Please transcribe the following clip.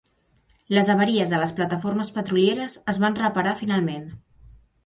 Les avaries en les plataformes petrolieres es van reparar finalment.